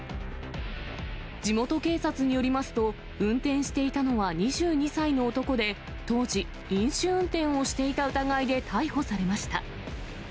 地元警察によりますと、運転していたのは２２歳の男で、当時、飲酒運転をしていた疑いで逮捕されました。